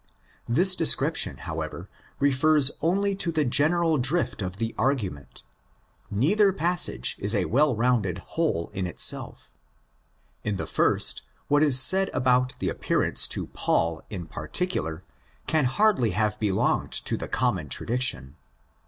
This description, however, refers only to the general drift of the argument. Neither passage is a well rounded whole in itself. In the first, what is said about the appearance to Paul in particular can hardly have belonged to the common tradition.